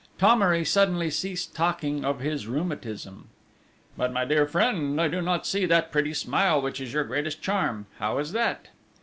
Thomery suddenly ceased talking of his rheumatism: "But, my dear friend, I do not see that pretty smile which is your greatest charm! How is that?"